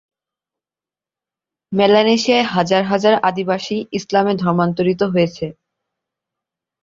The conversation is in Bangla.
মেলানেশিয়ায় হাজার হাজার আদিবাসী ইসলামে ধর্মান্তরিত হয়েছে।